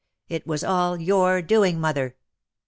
It was all your doing, mother.